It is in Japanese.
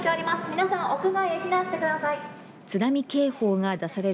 皆さん屋外へ避難してください。